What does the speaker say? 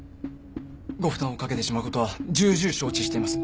ご負担をかけてしまうことは重々承知しています。